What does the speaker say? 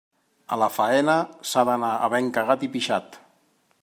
A la faena s'ha d'anar havent cagat i pixat.